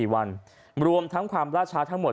๓๔วันรวมทั้งความล่าช้า